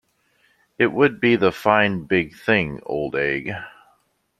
It would be the fine, big thing, old egg.